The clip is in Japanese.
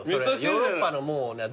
ヨーロッパのもんをな